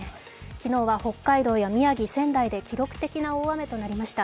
昨日は北海道や、宮城、仙台で記録的な大雨となりました。